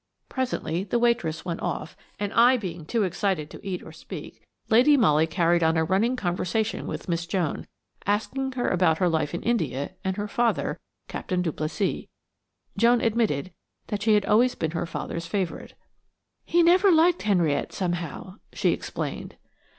Presently the waitress went off, and I being too excited to eat or speak, Lady Molly carried on a running conversation with Miss Joan, asking her about her life in India and her father, Captain Duplessis. Joan admitted that she had always been her father's favourite. "He never liked Henriette, somehow," she explained.